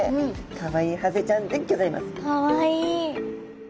かわいい。